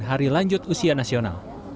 hari lanjut usia nasional